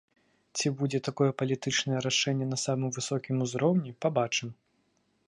Ці будзе такое палітычнае рашэнне на самым высокім узроўні, пабачым.